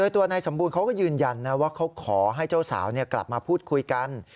ตัวนายสมบูรณ์เขาก็ยืนยันนะว่าเขาขอให้เจ้าสาวกลับมาพูดคุยกัน